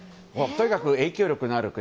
とにかく影響力のある国。